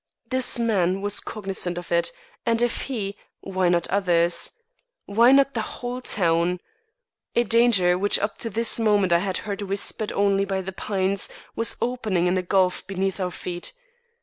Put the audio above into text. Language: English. This man was cognisant of it, and if he, why not others! Why not the whole town! A danger which up to this moment I had heard whispered only by the pines, was opening in a gulf beneath our feet.